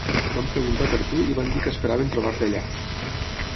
Van preguntar per tu i van dir que esperaven trobar-te allà.